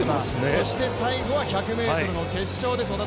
そして最後は１００ｍ決勝です。